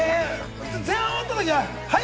前半が終わったときは、はい！